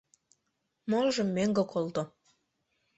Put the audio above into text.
Молыжым мӧҥгӧ колто.